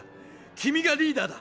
きみがリーダーだ！